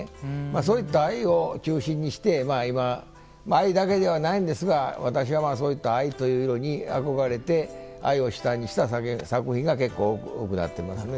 そういった藍を中心にして今、藍だけではないんですが私は、そういった藍という色に憧れて藍を主体にした作品が結構多くなってますね。